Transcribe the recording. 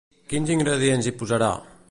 Quins ingredients hi posarà?